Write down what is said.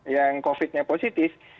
yang covid nya positif